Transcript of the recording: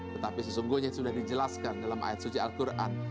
tetapi sesungguhnya sudah dijelaskan dalam ayat suci al quran